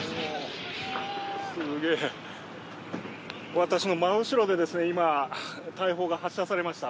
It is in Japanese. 私の真後ろで今、大砲が発射されました。